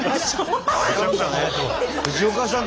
藤岡さん